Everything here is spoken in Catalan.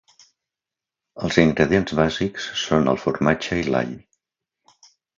Els ingredients bàsics són el formatge i l'all.